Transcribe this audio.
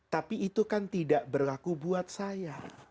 tapi itu kan tidak berlaku buat saya